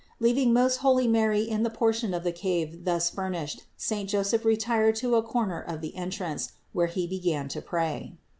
Leaving most holy Mary in the portion of the cave thus furnished, saint Joseph retired to a corner of the entrance, where he began to pray.